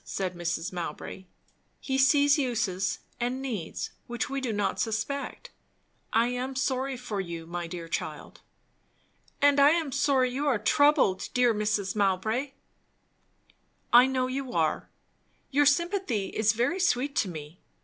said Mrs. Mowbray. "He sees uses, and needs, which we do not suspect. I am sorry for you, my dear child." "And I am sorry you are troubled, dear Mrs. Mowbray!" "I know you are. Your sympathy is very sweet to me.